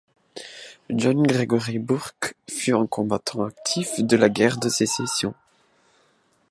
John Gregory Bourke fut un combattant actif de la Guerre de Sécession.